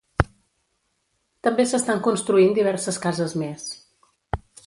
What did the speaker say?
També s'estan construint diverses cases més.